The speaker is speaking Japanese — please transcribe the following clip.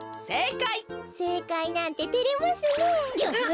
せいかいなんててれますねえ。